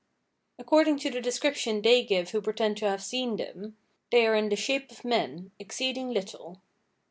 According to the description they give who pretend to have seen them, they are in the shape of men, exceeding little.